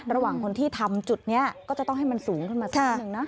ระหว่างคนที่ทำจุดนี้ก็จะต้องให้มันสูงขึ้นมาสักนิดนึงนะ